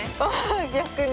逆に？